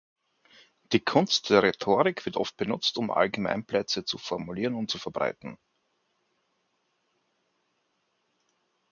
Die Kunst der Rhetorik wird oft benutzt, um Allgemeinplätze zu formulieren und zu verbreiten.